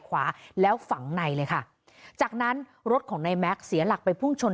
ขวาแล้วฝังในเลยค่ะจากนั้นรถของนายแม็กซ์เสียหลักไปพุ่งชน